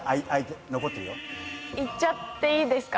いっちゃっていいですか。